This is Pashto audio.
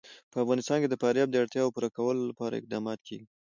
په افغانستان کې د فاریاب د اړتیاوو پوره کولو لپاره اقدامات کېږي.